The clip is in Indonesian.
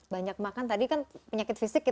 banyak makan tadi kan penyakit fisiknya kan